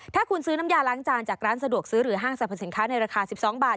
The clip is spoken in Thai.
ถ้าคุณซื้อน้ำยาล้างจานจากร้านสะดวกซื้อหรือห้างสรรพสินค้าในราคา๑๒บาท